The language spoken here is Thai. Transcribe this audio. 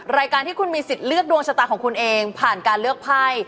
รายการที่คุณมีสิทธิ์เลือกดวงชะตาของคุณเองผ่านการเลือกไพ่